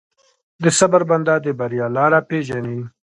د صبر بنده، د بریا لاره پېژني.